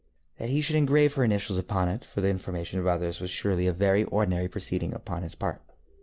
That he should engrave her initials upon it for the information of others was surely a very ordinary proceeding upon his part.